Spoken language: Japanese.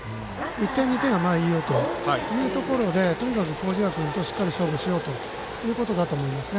１点２点はいいというところで麹家君としっかり勝負しようということだと思います。